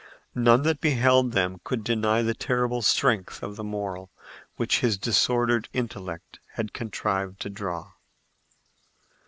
None that beheld them could deny the terrible strength of the moral which his disordered intellect had contrived to draw.